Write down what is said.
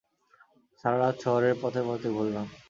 সারা রাত শহরের পথে-পথে ঘূরলাম।